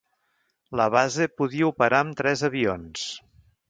La base podia operar amb tres avions.